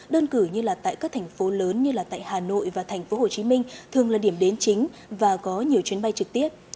đơn cử như là tại các thành phố lớn như là tại hà nội và thành phố hồ chí minh thường là điểm đến chính và có nhiều chuyến bay trực tiếp